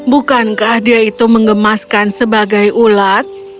bukankah dia itu mengemaskan sebagai ulat